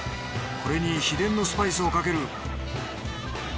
これに秘伝のスパイスをかける。